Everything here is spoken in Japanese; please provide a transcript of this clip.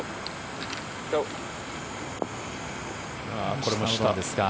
これも下です。